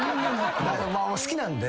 好きなんで。